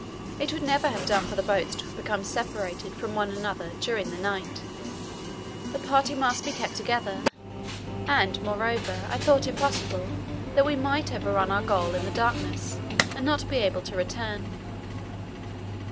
It would never have done for the boats to have become separated from one another during the night. The party must be kept together, and, moreover, I thought it possible that we might overrun our goal in the darkness and not be able to return.